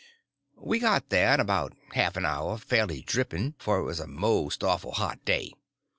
We got there in about a half an hour fairly dripping, for it was a most awful hot day.